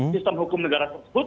sistem hukum negara tersebut